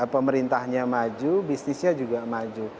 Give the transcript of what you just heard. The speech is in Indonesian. pemerintahnya maju bisnisnya juga maju